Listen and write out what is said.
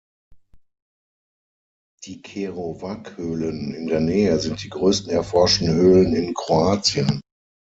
Die Cerovac-Höhlen in der Nähe sind die größten erforschten Höhlen in Kroatien.